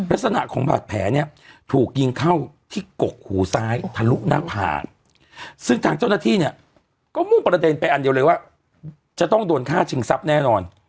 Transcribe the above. ลักษณะของบาดแผลเนี่ยถูกยิงเข้าที่กกหูซ้ายทะลุหน้าผากซึ่งทางเจ้าหน้าที่เนี่ยก็มุ่งประเด็นไปอันเดียวเลยว่าจะต้องโดนฆ่าชิงทรัพย์แน่นอน